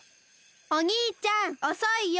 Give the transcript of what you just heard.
おにいちゃんおそいよ！